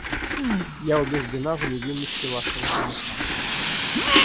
Я убеждена в невинности вашего жениха.